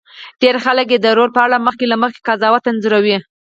ډېر خلک یې د رول په اړه مخکې له مخکې قضاوت انځوروي.